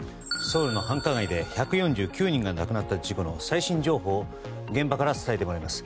ソウルの繁華街で１４９人が亡くなった事故の最新情報を現場から伝えてもらいます。